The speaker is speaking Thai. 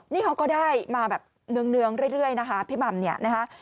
นี่เขาก็ได้มาแบบเนืองเรื่อยนะคะพี่หม่ำเนี่ยนะคะ